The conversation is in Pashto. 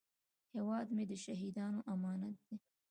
هیواد مې د شهیدانو امانت دی